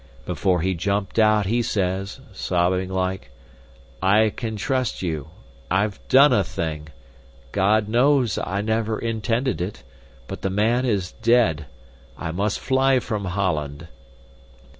Before he jumped out, he says, sobbing like, 'I can trust you. I've done a thing God knows I never intended it but the man is dead. I must fly from Holland."